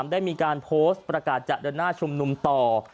ได้มีการโพสต์ประกาศจะเดินหน้าชุมนุมต่อ